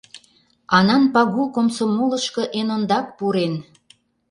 Анан Пагул комсомолышко эн ондак пурен.